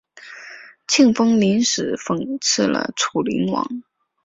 庆封临死讽刺了楚灵王。